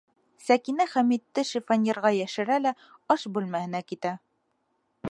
Сәкинә Хәмитте шифоньерға йәшерә лә аш бүлмәһенә китә.